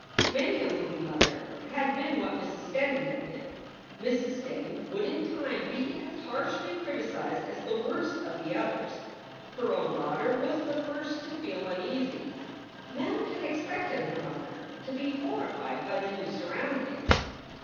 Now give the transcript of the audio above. Many a movie mother had been what Mrs. Steddon had been. Mrs. Steddon would in time be as harshly criticized as the worst of the others. Her own daughter was the first to feel uneasy. Mem had expected her mother to be horrified by the new sur roundings.